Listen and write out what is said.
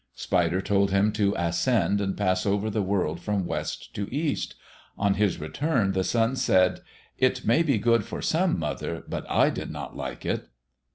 Spider told him to ascend and pass over the world from west to the east. On his return, the sun said, "It may be good for some, mother, but I did not like it."